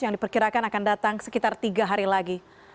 yang diperkirakan akan datang sekitar tiga hari lagi